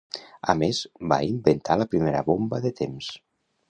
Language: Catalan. A més, va inventar la primera bomba de temps.